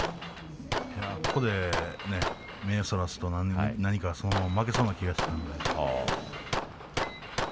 ここで目をそらすとそのまま負けそうな気がして。